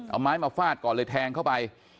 เอาไม้มาฟาดก่อนเลยแทงเข้าไป